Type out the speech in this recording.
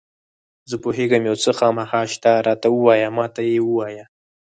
زه پوهېږم یو څه خامخا شته، راته ووایه، ما ته یې ووایه.